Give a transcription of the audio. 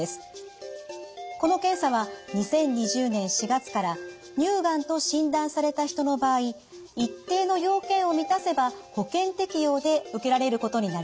この検査は２０２０年４月から乳がんと診断された人の場合一定の要件を満たせば保険適用で受けられることになりました。